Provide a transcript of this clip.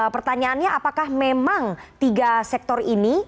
pertanyaannya apakah memang tiga sektor ini